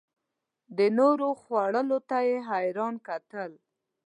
د نورو خولو ته یې حیران کتل.